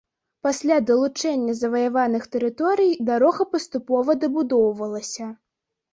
Пасля далучэння заваяваных тэрыторый, дарога паступова дабудоўвалася.